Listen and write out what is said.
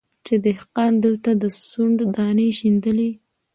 چي دهقان دلته د سونډ دانې شیندلې